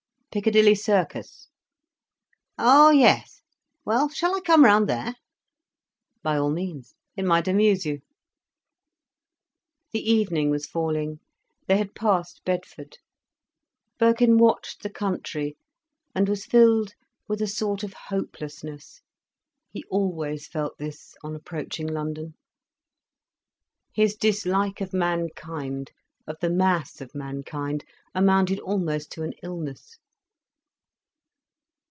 "Piccadilly Circus." "Oh yes—well, shall I come round there?" "By all means, it might amuse you." The evening was falling. They had passed Bedford. Birkin watched the country, and was filled with a sort of hopelessness. He always felt this, on approaching London. His dislike of mankind, of the mass of mankind, amounted almost to an illness.